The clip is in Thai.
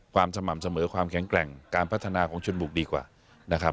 สม่ำเสมอความแข็งแกร่งการพัฒนาของชนบุกดีกว่านะครับ